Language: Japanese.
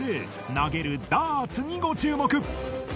投げるダーツにご注目。